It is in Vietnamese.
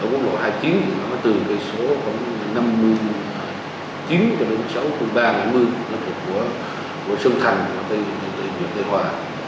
ở quốc lộ hai mươi chín thì nó từ số năm mươi chín đến số ba nghìn ba trăm năm mươi là thuộc của sông thành tây nguyên tây hoa